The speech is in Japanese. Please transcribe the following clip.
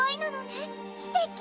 すてき！